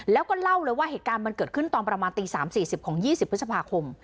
แล้วก็เล่าเลยว่าเหตุการณ์มันเกิดขึ้นตอนประมาณตี๓๔๐ของ๒๐พฤษภาคม